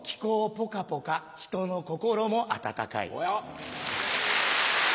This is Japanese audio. ポカポカ人の心も温かい。